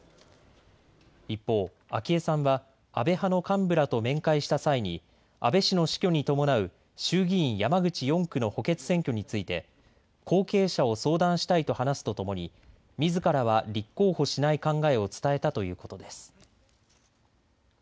一方、昭恵さんは安倍派の幹部らと面会した際に安倍氏の死去に伴う衆議院山口４区の補欠選挙について後継者を相談したいと話すとともにみずからは立候補しない考えを伝えたということです。